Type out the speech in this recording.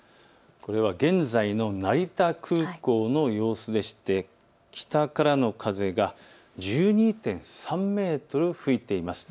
これは現在の成田空港の様子でして北からの風が１２．３メートル吹いています。